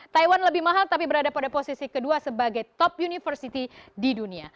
taiwan lebih mahal tapi berada pada posisi kedua sebagai top university di dunia